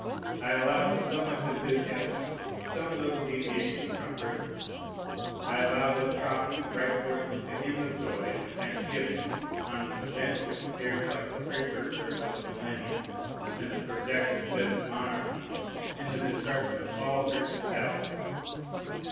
I allow to so much enthusiasm some little deviation from prudence. I allow this prophet to break forth into hymns of joy and thanksgiving on an event which appears like the precursor of the Millennium, and the projected Fifth Monarchy, in the destruction of all Church establishments.